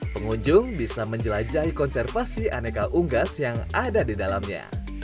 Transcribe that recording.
pengunjung bisa menjelajahi konservasi aneka unggas yang ada di dalamnya